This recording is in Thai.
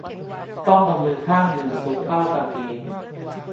ต้องเอามือข้างหนึ่งซุกเป้ากางเกง